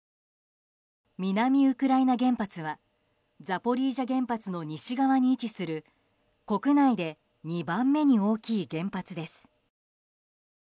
南ウクライナ原発はザポリージャ原発の西側に位置する国内で２番目に大きい原発です。